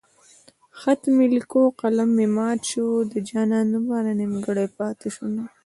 خط مې ليکو قلم مې مات شو د جانان نوم رانه نيمګړی پاتې شونه